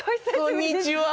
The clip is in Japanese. こんにちは。